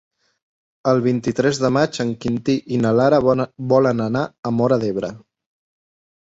El vint-i-tres de maig en Quintí i na Lara volen anar a Móra d'Ebre.